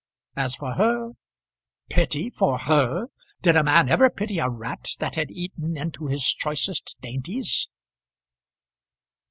As for her; pity for her! Did a man ever pity a rat that had eaten into his choicest dainties?